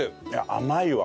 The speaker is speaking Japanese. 甘いわ。